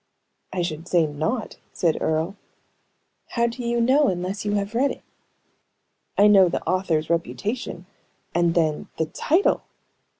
"I should say not," said Earle. "How do you know, unless you have read it?" "I know the author's reputation; and then, the title!"